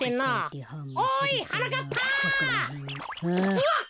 うわっ！